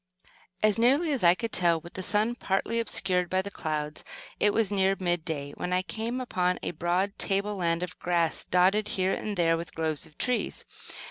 As nearly as I could tell, with the sun partly obscured by clouds, it was near mid day when I came upon a broad table land of grass, dotted here and there with groves of trees.